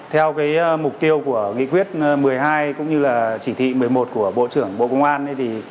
theo mục tiêu của nghị quyết một mươi hai cũng như là chỉ thị một mươi một của bộ trưởng bộ công an